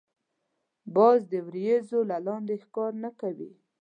باز د وریځو له لاندی ښکار نه کوي